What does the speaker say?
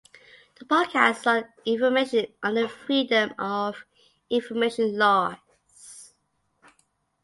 The podcast sought information under Freedom of Information laws.